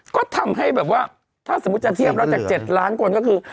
ก็ทำให้แบบว่าถ้าสมมุติจะเทียบแล้วจาก๗ล้านคนก็คือ